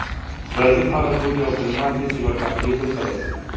ردیف هغه توري او کلمات دي چې له قافیې وروسته راځي.